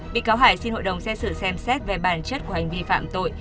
bị cáo hải xin hội đồng xét xử xem xét về bản chất của hành vi phạm tội